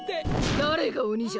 だれがオニじゃ。